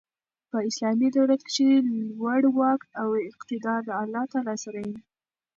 په اسلامي دولت کښي لوړ واک او اقتدار د الله تعالی سره يي.